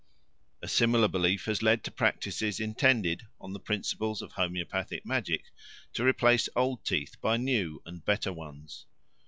A similar belief has led to practices intended, on the principles of homoeopathic magic, to replace old teeth by new and better ones.